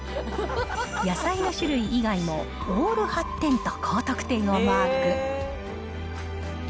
野菜の種類以外もオール８点と高得点をマーク。